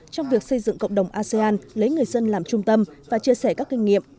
trong việc xây dựng cộng đồng asean lấy người dân làm trung tâm và chia sẻ các kinh nghiệm